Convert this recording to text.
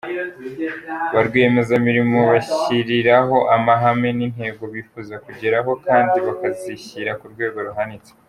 Ba rwiyemezamirimo bishyiriraho amahame n’intego bifuza kugeraho kandi bakazishyira ku rwego ruhanitse.